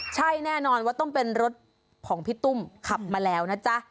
ใช่แน่นอนว่าต้องเป็นรถของพี่ตุ้มขับมาแล้วนะจ๊ะ